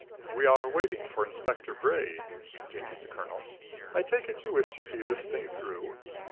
"We are waiting for Inspector Bray," continued the colonel. "I take it you wish to see this thing through?"